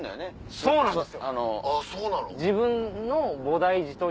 そうなんです